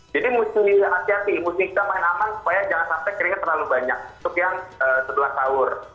jadi mesti hati hati mesti kita main aman supaya jangan sampai keringet terlalu banyak untuk yang sebelah awur